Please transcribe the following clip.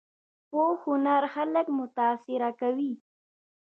پوخ هنر خلک متاثره کوي